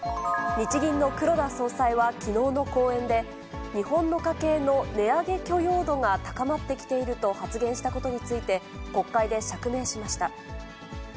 日銀の黒田総裁はきのうの講演で、日本の家計の値上げ許容度が高まってきていると発言したことについて、国会で釈明しました。